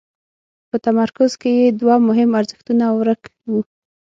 په تمرکز کې یې دوه مهم ارزښتونه ورک وو.